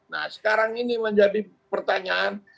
nah sekarang ini menjadi pertanyaan